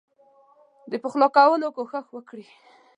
د پخلا کولو کوښښ وکړي.